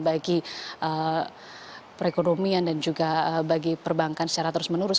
bagi perekonomian dan juga bagi perbankan secara terus menerus